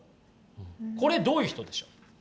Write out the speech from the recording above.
これどういう人でしょう？